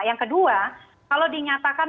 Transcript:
yang kedua kalau dinyatakan